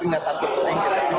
kemudian kontes mobil kita hadiri